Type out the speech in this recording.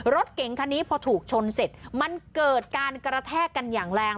รถเก๋งคันนี้พอถูกชนเสร็จมันเกิดการกระแทกกันอย่างแรง